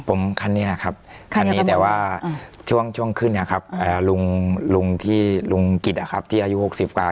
ผมคันนี้นะครับแต่ว่าช่วงขึ้นครับลุงกิตที่อายุ๖๐กว่า